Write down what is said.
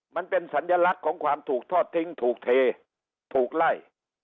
มันเป็นสัญลักษณ์ของความถูกทอดทิ้งถูกเทถูกไล่